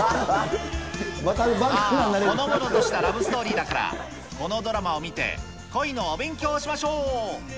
まあ、ほのぼのとしたラブストーリーだから、このドラマを見て、恋のお勉強をしましょー！